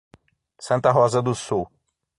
Santa Rosa do Sul